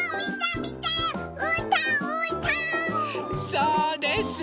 そうです。